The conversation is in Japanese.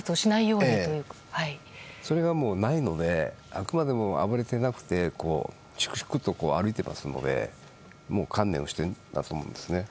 ええ、それがもうないのであくまでも、暴れていなくて粛々と歩いていますのでもう観念をしているんだと思います。